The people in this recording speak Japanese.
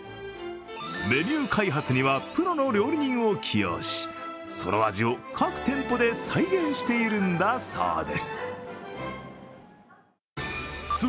メニュー開発にはプロの料理人を起用し、その味を各店舗で再現しているんだそうです。